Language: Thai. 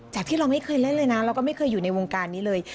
ที่เราไม่เคยเล่นเลยนะเราก็ไม่เคยอยู่ในวงการนี้เลย